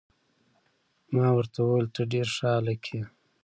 ما ورته وویل: ته ډیر ښه هلک يې.